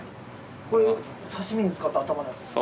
これ刺身に使った頭のやつですか？